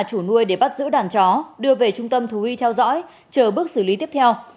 chủ nuôi để bắt giữ đàn chó đưa về trung tâm thú y theo dõi chờ bước xử lý tiếp theo